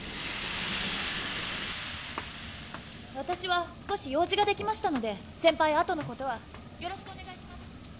私は少し用事ができましたので先輩後のことはよろしくお願いします。